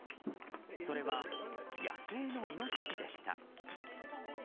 それは、野生のイノシシでした。